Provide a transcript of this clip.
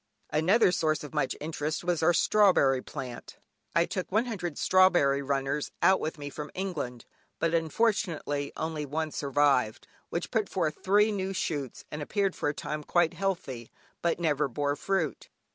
Another source of much interest was our strawberry plant. I took 100 strawberry runners out with me from England, but, unfortunately, only one survived, which put forth three new shoots, and appeared for a time quite healthy, but never bore fruit.